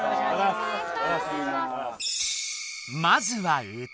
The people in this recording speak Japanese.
まずは歌。